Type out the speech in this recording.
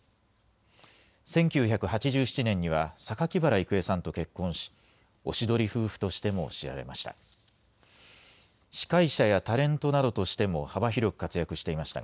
１９８７年には榊原郁恵さんと結婚し、おしどり夫婦としても知られました。